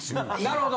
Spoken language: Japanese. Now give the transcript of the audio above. なるほど。